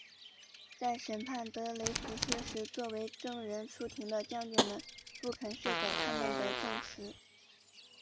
在审判德雷福斯时作为证人出庭的将军们不肯修改他们的证词。